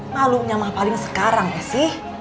malunya mah paling sekarang ya sih